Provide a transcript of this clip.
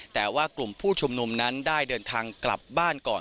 แต่ว่ากลุ่มผู้ชุมนุมนั้นได้เดินทางกลับบ้านก่อน